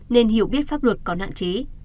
nên hiểu biết pháp luật còn hạn chế